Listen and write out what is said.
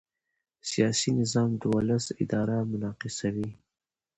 سیاسي نظام د ولس اراده منعکسوي